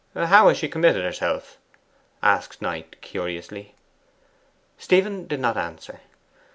'How has she committed herself?' asked Knight cunously. Stephen did not answer.